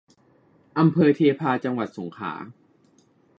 อำเภอเทพา จังหวัดสงขลา